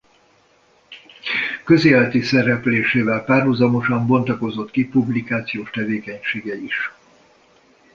Közéleti szereplésével párhuzamosan bontakozott ki publikációs tevékenysége is.